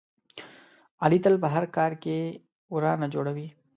علي تل په هر کار کې ورانه جوړوي.